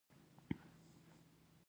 بهترینه دوست هغه چاته ویل کېږي چې وخندوي.